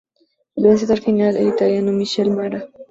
El vencedor final el italiano Michele Mara.